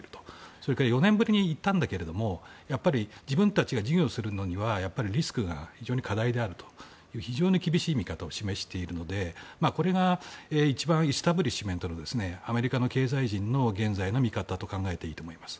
それから４年ぶりに行ったんだけども自分たちが事業をするにはリスクが非常に課題であると非常に厳しい見方を示しているのでこれがエスタブリッシュメントのアメリカの経済人の現在の見方と考えていいと思います。